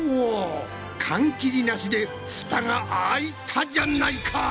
缶切りなしでフタが開いたじゃないか！